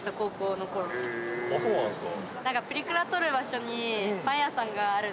そうなんですか。